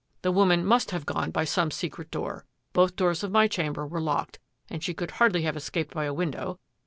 " The woman must have gone by some secret door. Both doors of my chamber were locked and she could hardly have escaped by a window.